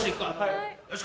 よし！